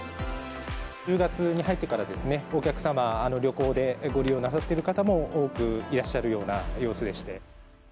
１０月に入ってからですね、お客様、旅行でご利用なさっている方も、多くいらっしゃるような様子でし